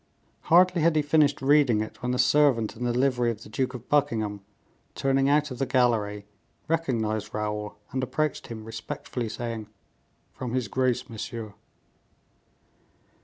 Hardly had he finished reading it, when a servant in the livery of the Duke of Buckingham, turning out of the gallery, recognized Raoul, and approached him respectfully, saying, "From his Grace, monsieur."